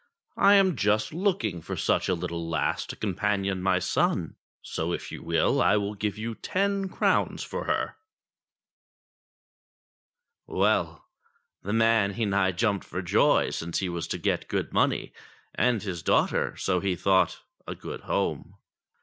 I am just looking for such a little lass to companion my son, so if you will, I will give you ten crowns for her." Well ! the man he nigh jumped for joy, since he was to get good money, and his daughter, so he thought, a good home.